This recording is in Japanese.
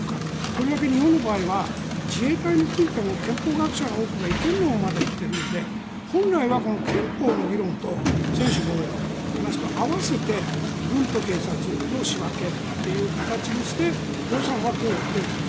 とりわけ日本の場合は自衛隊についても憲法学者の多くが違憲論をまだ言っているので本来はこの憲法の議論と専守防衛論の話と合わせて軍と警察の仕分けという形にして予算はこう分けると。